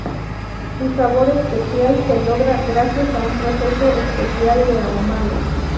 Su sabor especial se logra gracias a un proceso especial de ahumado.